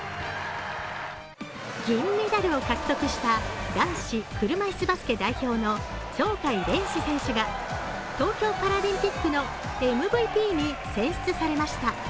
銀メダルを獲得した男子車いすバスケ代表の鳥海連志選手が東京パラリンピックのＭＶＰに選出されました。